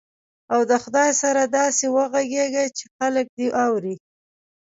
او د خدای سره داسې وغږېږه چې خلک دې اوري.